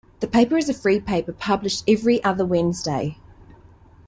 The paper is a free paper published every other Wednesday.